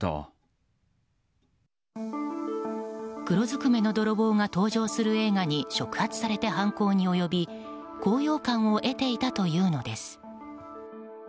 黒ずくめの泥棒が登場する映画に触発されて犯行に及び高揚感を得ていたというのです。